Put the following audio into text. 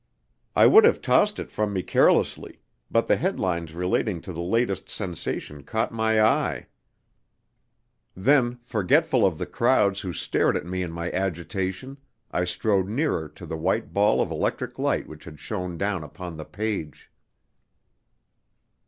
I would have tossed it from me carelessly, but the headlines relating to the latest sensation caught my eye. Then, forgetful of the crowds who stared at me in my agitation, I strode nearer to the white ball of electric light which had shone down upon the page.